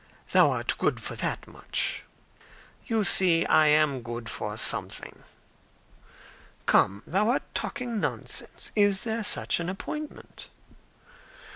Thou art good for that much." "You see I am good for something." "Come! thou art talking nonsense. Is there such an appointment?"